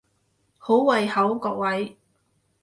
好胃口各位！